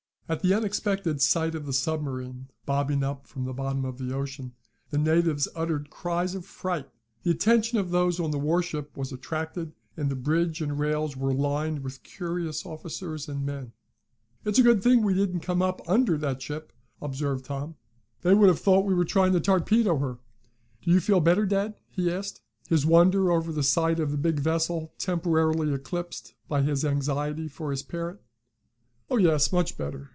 At the unexpected sight of the submarine, bobbing up from the bottom of the ocean, the natives uttered cries of fright. The attention of those on the warship was attracted, and the bridge and rails were lined with curious officers and men. "It's a good thing we didn't come up under that ship," observed Tom. "They would have thought we were trying to torpedo her. Do you feel better, dad?" he asked, his wonder over the sight of the big vessel temporarily eclipsed in his anxiety for his parent. "Oh, yes, much better.